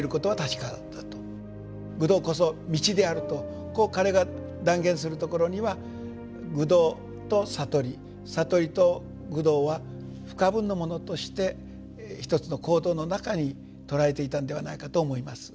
求道こそ道であるとこう彼が断言するところには求道と悟り悟りと求道は不可分のものとして一つの行動の中に捉えていたんではないかと思います。